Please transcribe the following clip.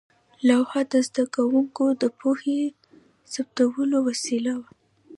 لوحه د زده کوونکو د پوهې ثبتولو وسیله وه.